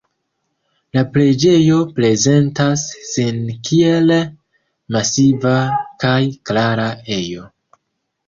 La preĝejo prezentas sin kiel masiva kaj klara ejo.